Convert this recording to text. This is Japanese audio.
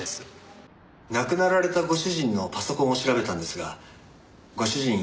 亡くなられたご主人のパソコンを調べたんですがご主人